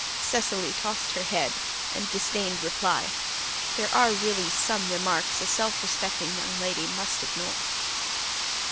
Cecily tossed her head and disdained reply. There are really some remarks a self respecting young lady must ignore.